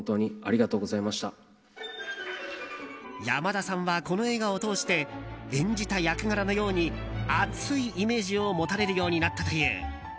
山田さんは、この映画を通して演じた役柄のように熱いイメージを持たれるようになったという。